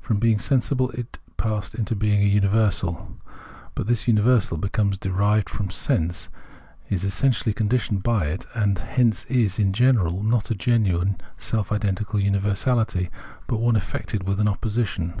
From being sensible it passed into being a universal ; but this universal, because derived from sense, is essentially conditioned by it, and hence is, in general, not a genuine self identical universaHty, but one affected with an opposition.